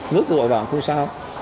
nước rội vào không sao